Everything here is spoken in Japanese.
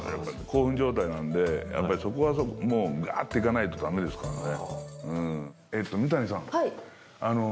興奮状態なのでやっぱりそこはもうガーッていかないとダメですからね。